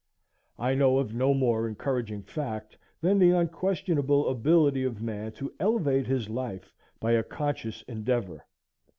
I know of no more encouraging fact than the unquestionable ability of man to elevate his life by a conscious endeavor.